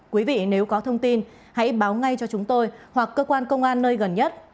quý vị nếu có thông tin hãy báo ngay cho chúng tôi hoặc cơ quan công an nơi đây